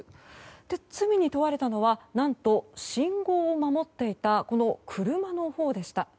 罪に問われたのは何と、信号を守っていたこの車のほうでした。